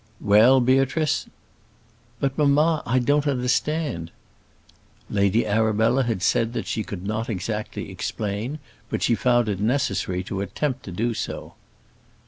"Well, Beatrice " "But, mamma, I don't understand." Lady Arabella had said that she could not exactly explain: but she found it necessary to attempt to do so.